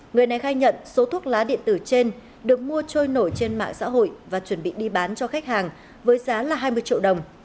người này khai nhận số thuốc lá điện tử trên được mua trôi nổi trên mạng xã hội và chuẩn bị đi bán cho khách hàng với giá là hai mươi triệu đồng